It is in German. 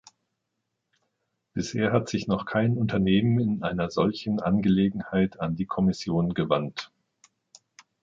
Bisher hat sich noch kein Unternehmen in einer solchen Angelegenheit an die Kommission gewandt.